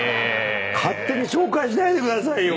勝手に紹介しないでくださいよ